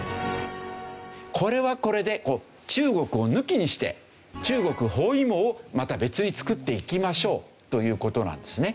これはこれで中国を抜きにして中国包囲網をまた別に作っていきましょうという事なんですね。